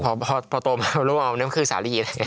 พอโตมารู้ว่ามันคือสาลี่